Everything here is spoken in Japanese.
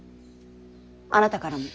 あなたからも。